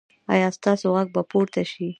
ایا ستاسو غږ به پورته شي؟